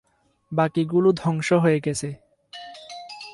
বাকিগুলো ধ্বংস হয়ে গেছে।